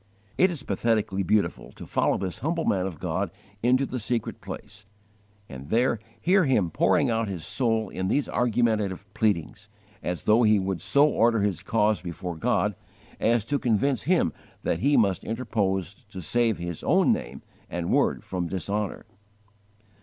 It is pathetically beautiful to follow this humble man of God into the secret place, and there hear him pouring out his soul in these argumentative pleadings, as though he would so order his cause before God as to convince Him that He must interpose to save His own name and word from dishonour!